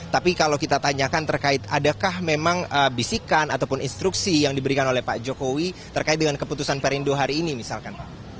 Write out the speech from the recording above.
tapi kalau kita tanyakan terkait adakah memang bisikan ataupun instruksi yang diberikan oleh pak jokowi terkait dengan keputusan perindo hari ini misalkan